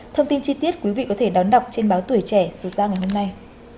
thông tin chi tiết quý vị có thể đón đọc trên báo tuổi trẻ số ra ngày hôm nay